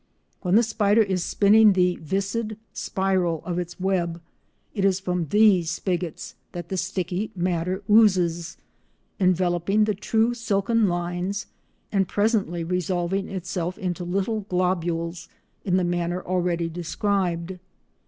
When the spider is spinning the "viscid spiral" of its web it is from these spigots that the sticky matter oozes, enveloping the true silken lines and presently resolving itself into little globules in the manner already described.